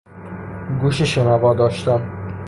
گوش شنوا داشتن